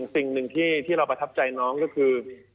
สิ่งหนึ่งที่เราประทับใจน้องก็คือ